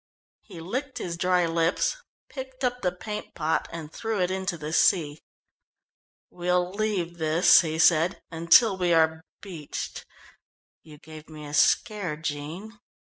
He licked his dry lips, picked up the paint pot, and threw it into the sea. "We'll leave this," he said, "until we are beached. You gave me a scare, Jean."